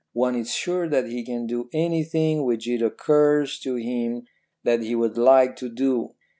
One is sure that he can do anything which it occurs to him that he would like to do.